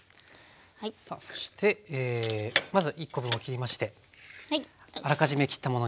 さあそしてまず１コ分を切りましてあらかじめ切ったものに合わせます。